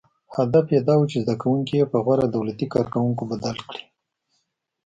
• هدف یې دا و، چې زدهکوونکي یې په غوره دولتي کارکوونکو بدل کړي.